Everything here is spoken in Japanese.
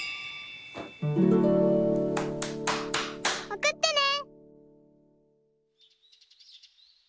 おくってね！